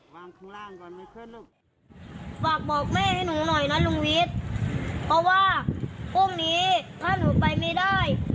ฝากบอกแม่ให้หนูหน่อยนะลุงวิทย์เพราะว่าพรุ่งนี้ถ้าหนูไปไม่ได้